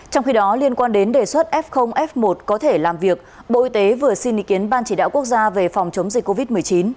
trong khi đó liên quan đến đề xuất f f một có thể làm việc bộ y tế vừa xin ý kiến ban chỉ đạo quốc gia về phòng chống dịch covid một mươi chín